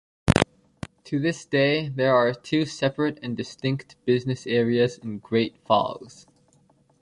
To this day, there are two separate and distinct business areas in Great Falls.